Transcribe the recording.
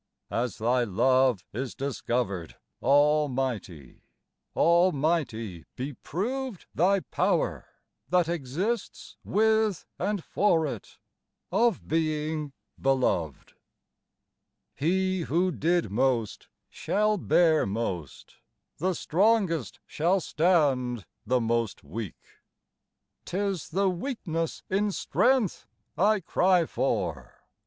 As Thy Love is discovered almighty, al mighty be proved Thy power, that exists with and for it, of being Beloved ! 26 j£a6tcr IFntcrpreteD He who did most shall bear most ; the strongest shall stand the most weak. Tis the weakness in strength I cry for